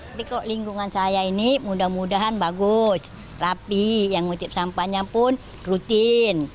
tapi kok lingkungan saya ini mudah mudahan bagus rapi yang ngutip sampahnya pun rutin